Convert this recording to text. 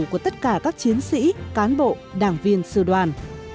của tất cả các chiến sĩ cán bộ đảng viên sư đoàn